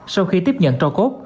sau khi tiếp nhận cho cốt